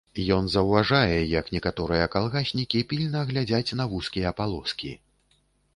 Ён заўважае, як некаторыя калгаснікі пільна глядзяць на вузкія палоскі.